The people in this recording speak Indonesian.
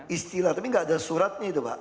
istilah tapi nggak ada suratnya itu pak